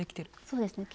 そうですね。